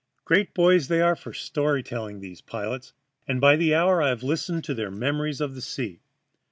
Great boys they are for story telling, these pilots, and by the hour I have listened to their memories of the sea.